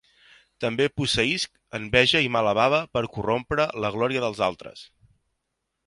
També posseïsc enveja i mala bava per corrompre la glòria dels altres.